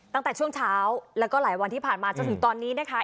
ตั้งแต่ช่วงเช้าแล้วก็หลายวันที่ผ่านมาจนถึงตอนนี้นะคะ